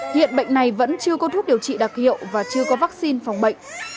hiện bệnh này vẫn chưa có thuốc điều trị đặc hiệu và chưa có vaccine phòng bệnh